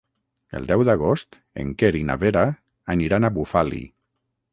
El deu d'agost en Quer i na Vera aniran a Bufali.